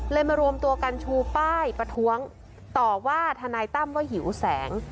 มารวมตัวกันชูป้ายประท้วงต่อว่าทนายตั้มว่าหิวแสง